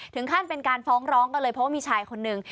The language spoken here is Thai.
ถึงขั้นเป็นการฟ้องร้องกันเลยเพราะว่ามีชายคนหนึ่ง